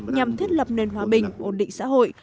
nhằm thiết lập nền hòa bình ổn định xã hội